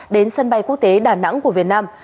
đến sân bay quốc tế đà nẵng của việt nam